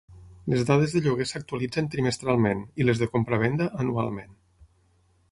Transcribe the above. Les dades de lloguer s'actualitzen trimestralment i les de compravenda, anualment.